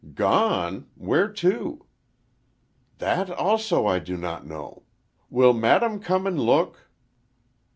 "Gone! Where to?" "That also, I do not know. Will madam come and look?"